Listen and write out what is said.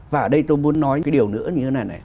và ở đây tôi muốn nói cái điều nữa như thế này này